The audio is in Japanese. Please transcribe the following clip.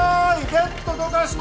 ベッドどかして！